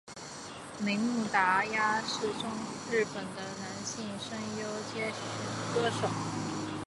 铃木达央是日本的男性声优兼歌手。